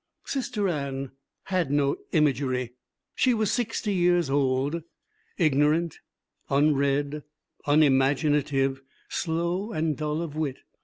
Sister Anne had no imagery. She was sixty years old, ignorant, unread, unimaginative, slow and dull of wit.